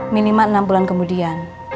minima enam bulan kemudian